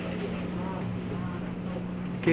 อ๋อไม่มีพิสิทธิ์